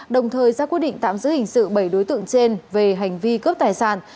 đồng thời ra quyết định tạm giữ hình sự bảy đối tượng trên về hành vi cướp tài sản